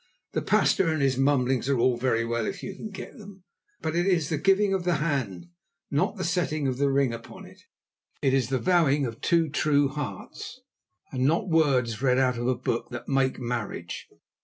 The pastor and his mumblings are very well if you can get them, but it is the giving of the hand, not the setting of the ring upon it; it is the vowing of two true hearts, and not words read out of a book, that make marriage.